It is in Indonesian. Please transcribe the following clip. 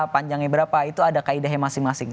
panjangnya berapa itu ada kaedahnya masing masing